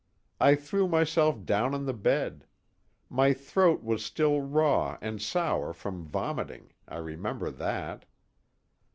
I threw myself down on the bed. My throat was still raw and sour from vomiting, I remember that."